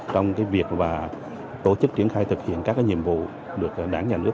trong việc tổ chức triển khai thực hiện các nhiệm vụ được đảng nhà nước